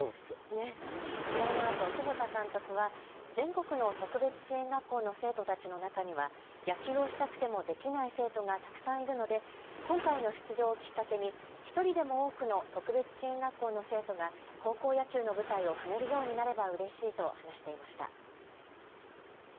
試合のあと久保田監督は全国の特別支援学校の生徒たちの中には野球をしたくてもできない生徒がたくさんいるので今回の試合をきっかけに１人でも多くの特別支援学校の生徒が高校野球の舞台を踏めるようになればうれしいと話していました。